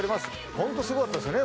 ホントすごかったですね